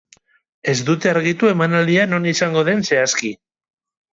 Ez dute argitu emanaldia non izango den zehazki.